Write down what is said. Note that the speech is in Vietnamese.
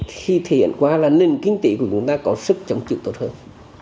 thì thể hiện qua là nền kinh tế của chúng ta có sức chống chịu tốt hơn